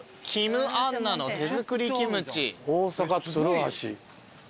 大阪鶴橋。